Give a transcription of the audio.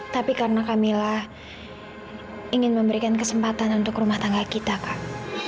tapi karena kak mila ingin memberikan kesempatan untuk rumah tangga kita kak